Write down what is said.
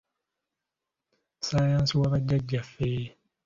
Ssaayansi wa bajjaajjaffe !